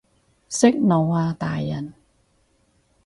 息怒啊大人